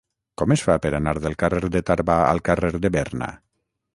Com es fa per anar del carrer de Tarba al carrer de Berna?